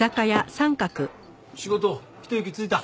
仕事ひと息ついた？